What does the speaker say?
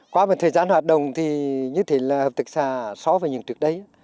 qua một thời gian hoạt động thì như thế là hợp tác xã so với những trước đây